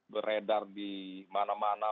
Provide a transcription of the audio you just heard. beredar di mana mana